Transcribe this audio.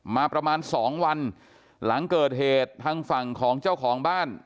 มาประมาณสองวันหลังเกิดเหตุทางฝั่งของเจ้าของบ้าน